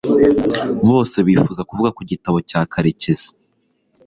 bose bifuza kuvuga ku gitabo cya karekezi